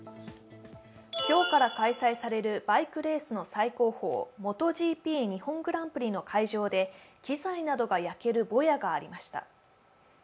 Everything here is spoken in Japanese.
今日から開催されるバイクレースの最高峰、ＭｏｔｏＧＰ日本グランプリの会場で機材などが焼けるぼやがありました。